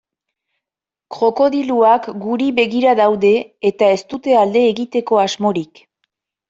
Krokodiloak guri begira daude eta ez dute alde egiteko asmorik.